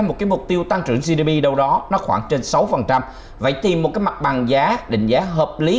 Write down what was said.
một cái mục tiêu tăng trưởng gdp đâu đó nó khoảng trên sáu phải tìm một cái mặt bằng giá định giá hợp lý